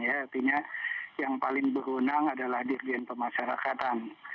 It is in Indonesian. artinya yang paling berwenang adalah dirjen pemasyarakatan